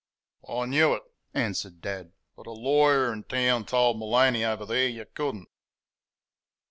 "I knew it," answered Dad; "but a lawyer in town told Maloney, over there, y' could n't."